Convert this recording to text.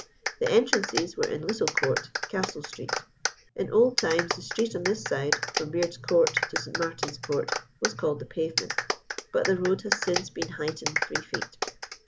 The entrances were in Little Court, Castle Street. In old times the street on this side, from Beard's Court, to St. Martin's Court, was called the Pavement; but the road has since been heightened three feet.